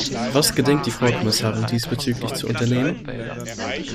Was gedenkt die Frau Kommissarin diesbezüglich zu unternehmen?